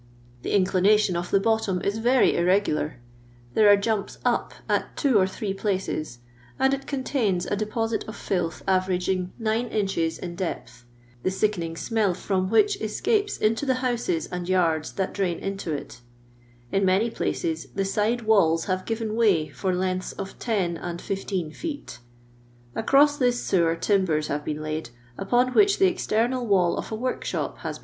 The *''*^^^*H* ot the bottom is Tery irregnlar : there are jnnpi up at two or three places, and it contains a de posit of filth averaging 9 inches in depth, the sickening smell from which escapes into the houses and yards that drain into it In places the side walls have given way for lengthi of 10 and 15 feet Across this sewer timbcn have been laid, upon which the external waU of ■ workshop has